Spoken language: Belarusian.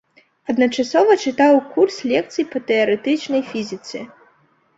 Адначасова чытаў курс лекцый па тэарэтычнай фізіцы.